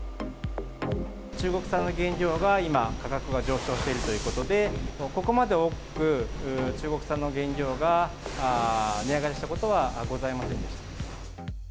中国産の原料が今、価格が上昇しているということで、ここまで大きく中国産の原料が値上がりしたことはございませんでした。